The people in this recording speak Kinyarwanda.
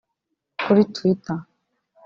kuri twitter